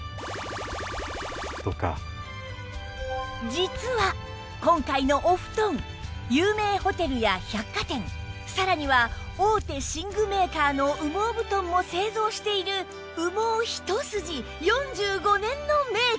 実は今回のお布団有名ホテルや百貨店さらには大手寝具メーカーの羽毛布団も製造している羽毛一筋４５年のメーカー！